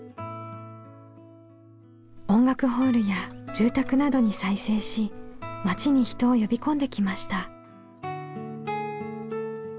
音楽ホールや住宅などに再生し町に人を呼び込んできました。